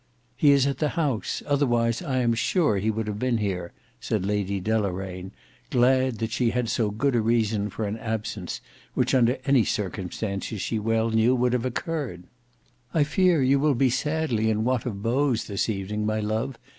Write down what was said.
"He is at the House: otherwise I am sure he would have been here," said Lady Deloraine, glad that she had so good a reason for an absence, which under any circumstances she well knew would have occurred. "I fear you will be sadly in want of beaus this evening, my love.